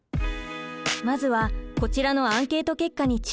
まずはこちらのアンケート結果に注目。